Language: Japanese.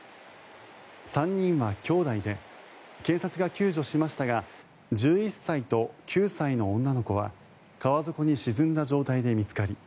３人は姉弟で警察が救助しましたが１１歳と９歳の女の子は川底に沈んだ状態で見つかり